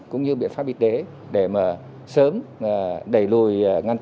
cũng như biện pháp vị tế để sớm đẩy lùi